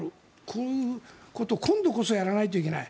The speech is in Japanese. こういうことを今度こそやらないといけない。